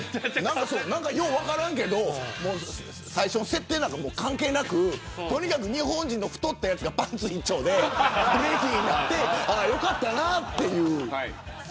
よう分からんけどこの最初の設定なんか関係なく日本人の太ったやつがパンツ一丁でフレディになってよかったなという。